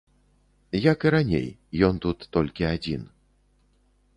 Як і раней, ён тут толькі адзін.